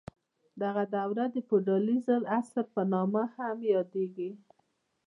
دغه دوره د فیوډالیزم د عصر په نامه هم یادیږي.